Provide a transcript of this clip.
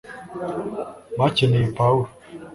bakeneye pawulo